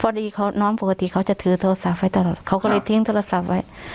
พอดีเขาน้องปกติเขาจะถือโทรศัพท์ไว้ตลอดเขาก็เลยทิ้งโทรศัพท์ไว้